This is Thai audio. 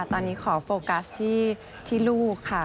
ตอนนี้ขอโฟกัสที่ลูกค่ะ